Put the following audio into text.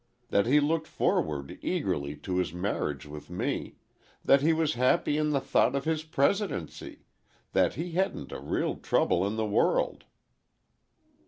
That he looked forward eagerly to his marriage with me, that he was happy in the thought of his Presidency—that he hadn't a real trouble in the world."